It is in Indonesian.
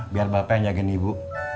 biar bapak yang jagain ibu